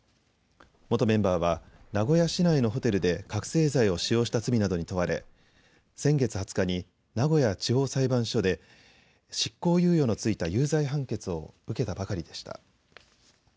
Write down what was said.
元メンバーは名古屋市内のホテルで覚醒剤を使用した罪などに問われ先月２０日に名古屋地方裁判所で執行猶予の付いた有罪判決を受けたばかりでした。